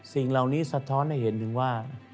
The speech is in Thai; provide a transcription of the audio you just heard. สิ่งเหล่านี้สะท้อนให้เห็นถึงว่า